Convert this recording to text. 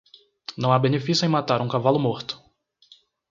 Não há benefício em matar um cavalo morto.